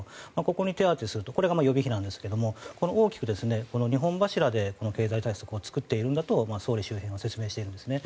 ここに手当てするとこれが予備費なんですがこの大きく２本柱で経済対策を作っているんだと総理周辺は説明しているんですね。